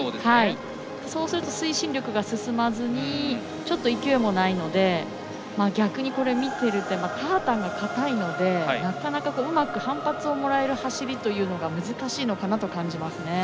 そうすると推進力が進まず勢いもないので逆に見ていると、素材が硬いのでなかなかうまく反発をもらえる走りというのが難しいのかなと思いますね。